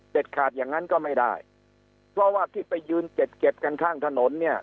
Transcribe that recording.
ขาดอย่างนั้นก็ไม่ได้เพราะว่าที่ไปยืนเก็บเก็บกันข้างถนนเนี่ย